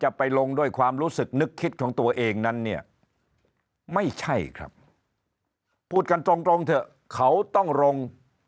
ไปลงด้วยความรู้สึกนึกคิดของตัวเองนั้นเนี่ยไม่ใช่ครับพูดกันตรงตรงเถอะเขาต้องลง